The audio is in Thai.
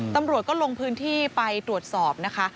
ตำรวจก็ลงพื้นที่ไปตรวจสอบนะคะ